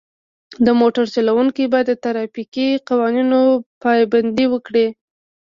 د موټر چلوونکي باید د ترافیکي قوانینو پابندي وکړي.